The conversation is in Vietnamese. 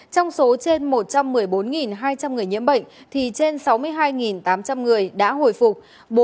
trong số trên một trăm một mươi bốn hai trăm linh người nhiễm bệnh thì trên sáu mươi hai tám trăm linh người đã hồi phục